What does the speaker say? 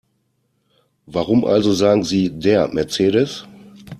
Warum also sagen Sie DER Mercedes?